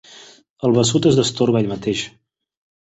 El vessut es destorba ell mateix.